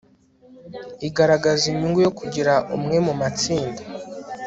igaragaza inyungu yo kugira umwe mumatsinda